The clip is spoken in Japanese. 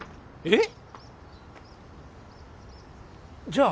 えっ？